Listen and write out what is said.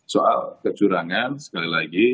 soal kecurangan sekali lagi